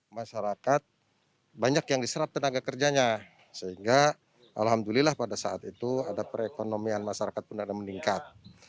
masyarakat banyak yang diserap tenaga kerjanya sehingga alhamdulillah pada saat itu ada perekonomian masyarakat pun ada meningkat